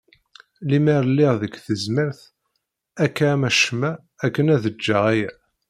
Lemer lliɣ deg tezmert akka am acemma akken ad egeɣ aya.